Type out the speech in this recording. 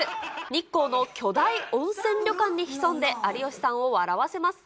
日光の巨大温泉旅館に潜んで有吉さんを笑わせます。